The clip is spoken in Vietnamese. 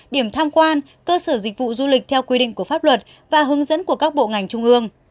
điểm tham quan cơ sở dịch vụ du lịch theo quy định của pháp luật và hướng dẫn của các bộ ngành trung ương